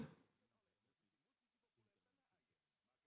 belajar sangat banyak bagaimana mengkonsolidasi negara ini